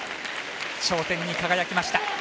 頂点に輝きました。